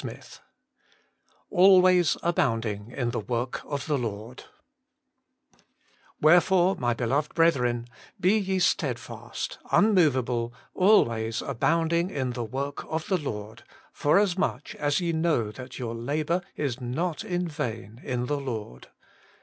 XIII Hlwa^0 abounbtno in the TKHorft ot tbe Xort) ' Wherefore, my beloved brethren, be ye sted fast, unmoveable, always abounding in the ivork of the Lord, forasmuch as ye know that your labour is not in vain in the Lord.'